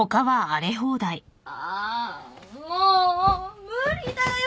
あもう無理だよ！